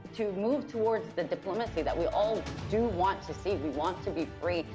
atau untuk bergerak ke diplomatik yang kami semua inginkan melihat